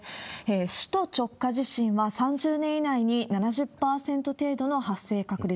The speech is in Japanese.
首都直下地震は３０年以内に７０％程度の発生確率。